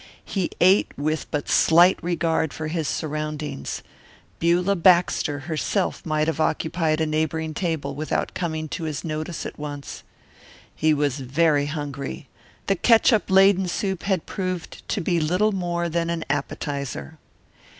He ate with but slight regard for his surroundings. Beulah Baxter herself might have occupied a neighbouring table without coming to his notice at once. He was very hungry. The catsup laden soup had proved to be little more than an appetizer.